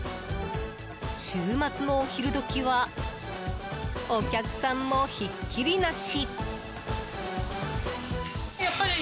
週末のお昼時はお客さんもひっきりなし。